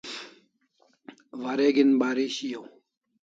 Wareg'in bari shiau